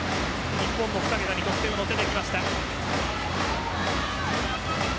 日本も２桁に得点をのせてきました。